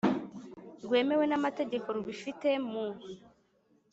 Rwemewe n amategeko rubifite mu